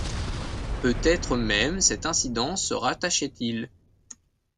Peut-être même cet incident se rattachait-il